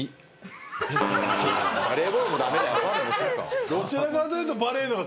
バレーボールも駄目だよ。